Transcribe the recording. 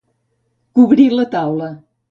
Cobrir la taula.